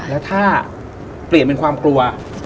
แล้วถ้าเปลี่ยนเป็นความกลัว